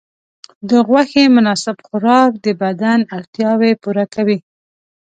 د غوښې مناسب خوراک د بدن اړتیاوې پوره کوي.